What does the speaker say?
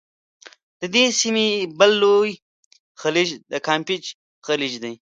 د دې سیمي بل لوی خلیج د کامپېچ خلیج دی.